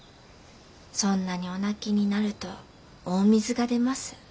『そんなにお泣きになると大水が出ます』。